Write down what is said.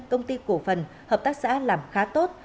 công ty cổ phần hợp tác xã làm khá tốt